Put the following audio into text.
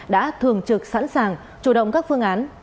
đã thường trực sẵn sàng chủ động các phương án